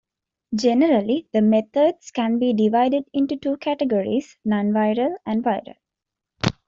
Generally, the methods can be divided into two categories: non-viral and viral.